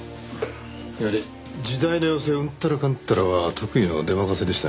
やはり時代の要請うんたらかんたらは得意の出任せでしたね。